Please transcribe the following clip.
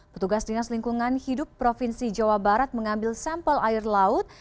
petugas dinas lingkungan hidup provinsi jawa barat mengambil sampel air laut